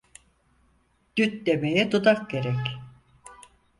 Düt demeye dudak gerek.